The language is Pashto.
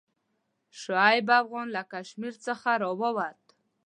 شعیب افغان له کشمیر څخه راووت.